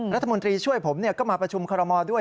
รัฐมนตรีช่วยผมก็มาประชุมคอรมอลด้วย